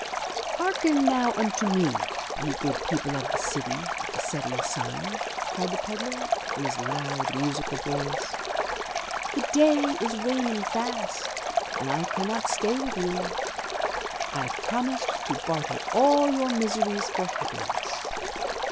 * 'Hearken now unto me, ye good people of the city of the setting sun," cried the pedlar, in his loud, musical voice. *The day is waning fast, and I cannot stay with you. I promised to barter all your miseries for happiness.